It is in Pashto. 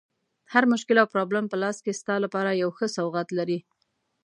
هر مشکل او پرابلم په لاس کې ستا لپاره یو ښه سوغات لري.